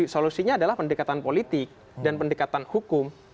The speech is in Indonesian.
solusinya adalah pendekatan politik dan pendekatan hukum